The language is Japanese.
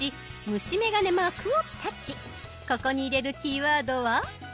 ここに入れるキーワードは。